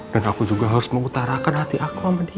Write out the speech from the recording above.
dan aku juga harus mengutarakan hati aku sama dia